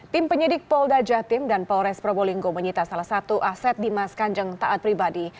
tim penyidik polda jatim dan polres probolinggo menyita salah satu aset dimas kanjeng taat pribadi